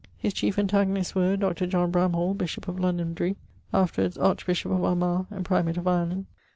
His chiefe antagonists were [Dr. John] Bramhall, bishop of [Londonderry], afterwards [archbishop of Armagh and] primate of Ireland.